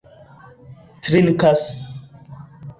trinkas